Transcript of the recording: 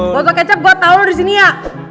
botol kecap gue tau lo disini ya